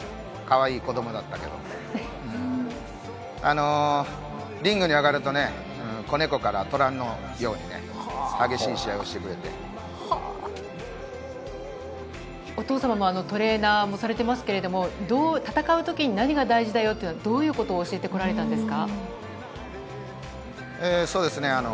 ちっちゃいときは、かわいい子供だったけど、リングに上がるとね、子猫から虎のようにね。激しい試合をしてくお父様もトレーナーされてますけれども戦うときに何が大事だよ、どういうことを教えてこられたんですか？